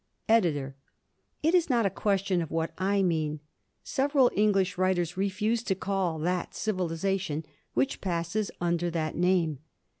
EDITOR: It is not a question of what I mean. Several English writers refuse to call that, civilization which passes under that name.